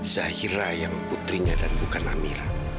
zahira yang putrinya dan bukan amira